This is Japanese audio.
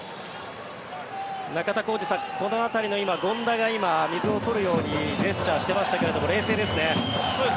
中田浩二さん、この辺りの権田が今、水を取るようにジェスチャーをしていましたが冷静ですね。